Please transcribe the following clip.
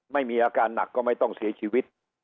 ไม่มีอาการหนักก็ไม่ต้องเสียชีวิต